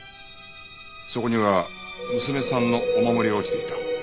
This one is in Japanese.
そこには娘さんのお守りが落ちていた。